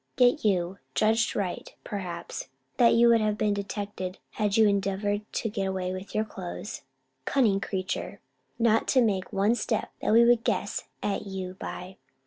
Yet you judged right, perhaps, that you would have been detected had you endeavoured to get away with your clothes. Cunning creature! not to make one step that we would guess at you by!